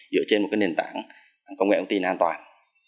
dựa trên một nền tảng công nghệ thông tin an toàn